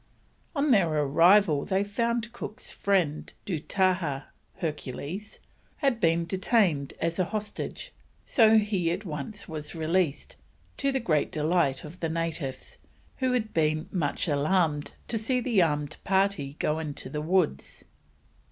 On their arrival they found Cook's friend, Dootahah (Hercules), had been detained as a hostage, so he was at once released, to the great delight of the natives, who had been much alarmed to see the armed party go into the woods.